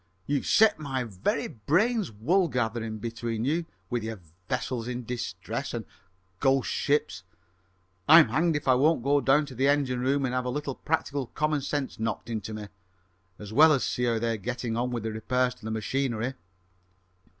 "You've set my very brains wool gathering between you, with your `vessels in distress' and `ghost ships'; I'm hanged if I won't go down to the engine room and have a little practical common sense knocked into me, as well as see how they're getting on with the repairs to the machinery!"